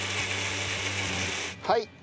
はい。